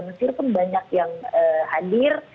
mesir pun banyak yang hadir